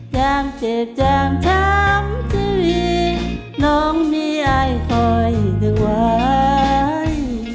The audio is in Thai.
ยามเจ็บยามช้ำชีวิตน้องมีอายคอยถึงไหว